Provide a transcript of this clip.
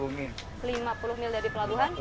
lima puluh mil dari pelabuhan